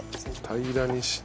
平らにして。